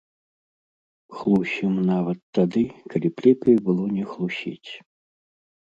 Хлусім нават тады, калі б лепей было не хлусіць.